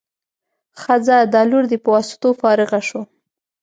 ښه ځه دا لور دې په واسطو فارغه شو.